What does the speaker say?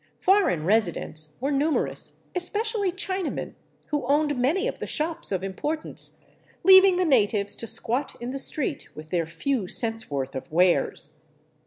Foreign residents were numerous, especially Chinamen, who owned many of the shops of importance, leaving the natives to squat in the street with their few cents' worth of wares.